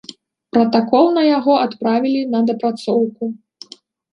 Пратакол на яго адправілі на дапрацоўку.